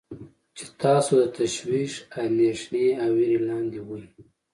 چې تاسو د تشویش، اندیښنې او ویرې لاندې وی.